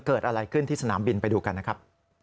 เกิดอะไรขึ้นที่สนามบินไปดูกันนะครับ